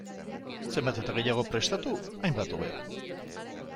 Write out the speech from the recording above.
Zenbat eta gehiago prestatu, hainbat hobe.